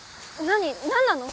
何なの？